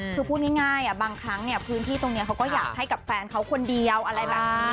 คือพูดง่ายบางครั้งพื้นที่ตรงนี้เขาก็อยากให้กับแฟนเขาคนเดียว